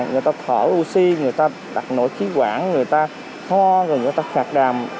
người ta thở oxy người ta đặt nổi khí quản người ta ho người ta khạt đàm